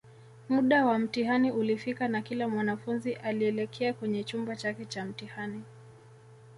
Muda wa mtihani ulifika na kila mwanafunzi alielekea kwenye chumba chake Cha mtihani